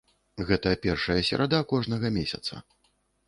Гэта першая серада кожнага месяца.